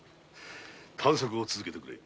探索を続けてくれ。